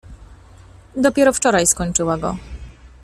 Dopiero wczoraj skończyła go.